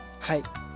はい。